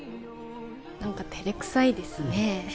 何か照れくさいですね